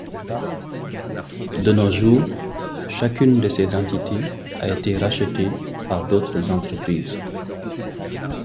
De nos jours, chacune de ces entités a été rachetée par d'autres entreprises.